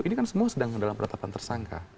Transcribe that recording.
ini kan semua sedang dalam penetapan tersangka